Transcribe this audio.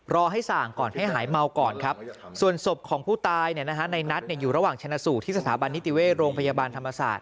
รอให้ส่างก่อนให้หายเมาก่อนครับส่วนศพของผู้ตายในนัทอยู่ระหว่างชนะสูตรที่สถาบันนิติเวชโรงพยาบาลธรรมศาสตร์